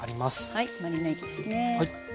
はいマリネ液ですね。